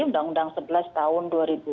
undang undang sebelas tahun dua ribu sembilan belas